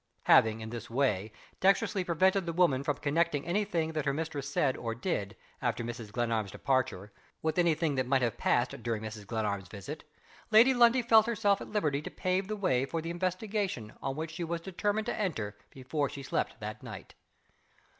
Having, in this way, dextrously prevented the woman from connecting any thing that her mistress said or did, after Mrs. Glenarm's departure, with any thing that might have passed during Mrs. Glenarm's visit, Lady Lundie felt herself at liberty to pave the way for the investigation on which she was determined to enter before she slept that night.